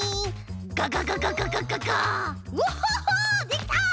できた！